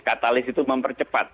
katalis itu mempercepat